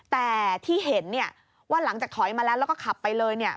แต่ที่เห็นว่าหลังจากถอยมาแล้วแล้วก็ขับไปเลย